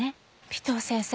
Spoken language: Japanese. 尾藤先生